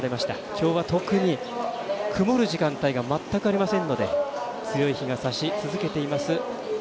今日は特に曇る時間帯が全くありませんので強い日がさし続けています